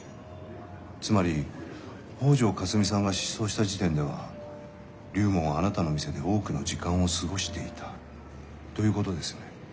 つまり北條かすみさんが失踪した時点では龍門はあなたの店で多くの時間を過ごしていたということですよね。